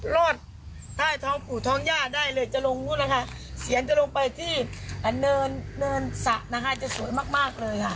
รอดใต้ท้องปู่ท้องย่าได้เลยจะลงนู้นนะคะเสียงจะลงไปที่เนินเนินสระนะคะจะสวยมากมากเลยค่ะ